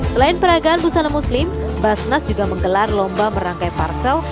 selain peragaan busana muslim basnas juga menggelar lomba merangkai parsel